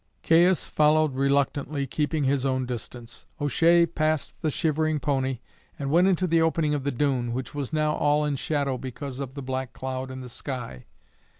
Caius followed reluctantly, keeping his own distance. O'Shea passed the shivering pony, and went into the opening of the dune, which was now all in shadow because of the black cloud in the sky.